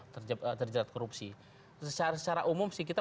terjerat korupsi secara umum sih kita